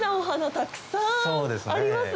たくさんありますね。